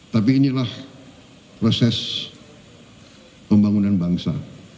tapi inilah proses pembangunan bangsa